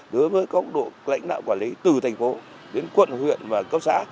đối với các độ lãnh đạo quản lý từ thành phố đến quận huyện và cấp xã